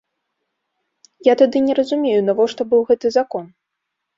Я тады не разумею, навошта быў гэты закон.